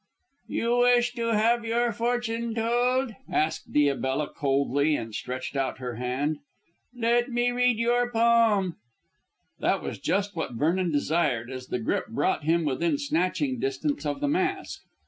"You wish to have your fortune told?" asked Diabella coldly and stretched out her hand. "Let me read your palm." This was just what Vernon desired, as the grip brought him within snatching distance of the mask.